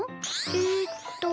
えっと。